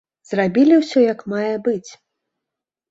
Зрабілі ўсё як мае быць.